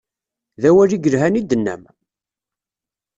D awal i yelhan i d-tennam.